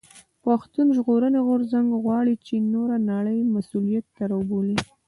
پښتون ژغورني غورځنګ غواړي چې نوره نړۍ مسؤليت ته راوبولي.